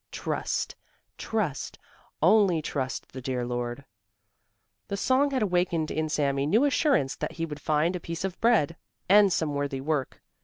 Trust! Trust! Only trust the dear Lord!" The song had awakened in Sami new assurance that he would find a piece of bread and some worthy work.